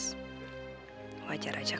wajar aja kalau rumahnya bisa jatuh hati padanya